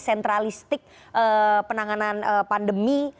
sentralistik penanganan pandemi